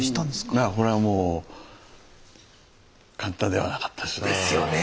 いやこれはもう簡単ではなかったですね。ですよね。